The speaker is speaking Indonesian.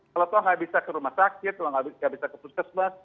kalau tua nggak bisa ke rumah sakit toh nggak bisa ke puskesmas